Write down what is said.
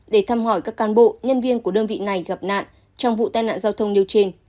để thăm hỏi các can bộ nhân viên của đơn vị này gặp nạn trong vụ tai nạn giao thông nêu trên